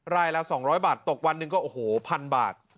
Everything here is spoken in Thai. รายละ๒๐๐บาทตกวันนึงก็อยู่๑๐๐๐บาท